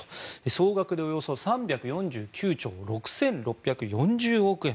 総額でおよそ３４９兆６６４０億円。